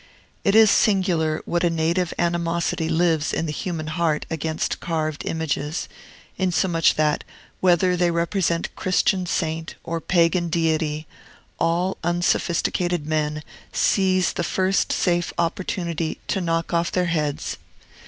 It is singular what a native animosity lives in the human heart against carved images, insomuch that, whether they represent Christian saint or Pagan deity, all unsophisticated men seize the first safe opportunity to knock off their heads!